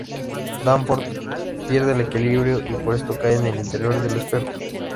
Danforth pierde el equilibrio y por esto cae en el interior del espejo.